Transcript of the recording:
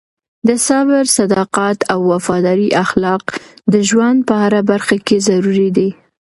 د صبر، صداقت او وفادارۍ اخلاق د ژوند په هره برخه کې ضروري دي.